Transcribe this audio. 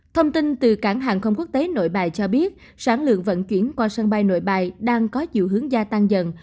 thông tin từ cảng hàng không quốc tế nội bài cho biết sản lượng vận chuyển qua sân bay nội bài đang có chiều hướng gia tăng dần